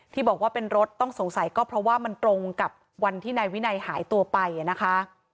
ที่บอกว่าเป็นรถต้องสงสัยก็เพราะว่ามันตรงกับวันที่นายวินัยหายตัวไปนะคะ